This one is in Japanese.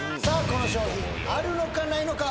この商品あるのかないのか？